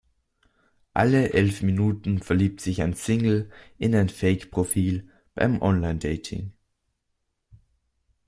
Alle elf Minuten verliebt sich ein Single in ein Fake-Profil beim Online-Dating.